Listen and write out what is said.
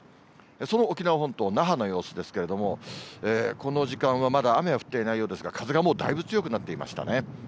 その沖縄本島、那覇の様子ですけれども、この時間はまだ雨は降っていないようですが、風がもうだいぶ強くなっていましたね。